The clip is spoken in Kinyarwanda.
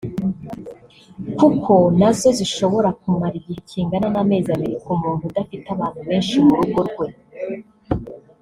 kuko na zo zishobora kumara igihe kingana n’amezi abiri ku muntu udafite abantu benshi mu rugo rwe